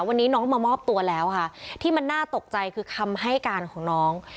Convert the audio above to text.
วันนี้น้องมามอบตัวแล้วค่ะที่มันน่าตกใจคือคำให้การของน้อง